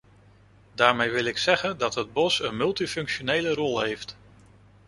Daarmee wil ik zeggen dat het bos een multifunctionele rol heeft.